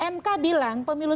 mk bilang pemilu